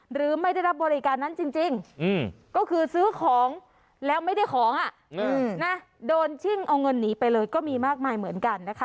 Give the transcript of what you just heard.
หรือไม่ได้รับบริการนั้นจริงก็คือซื้อของแล้วไม่ได้ของโดนชิ่งเอาเงินหนีไปเลยก็มีมากมายเหมือนกันนะคะ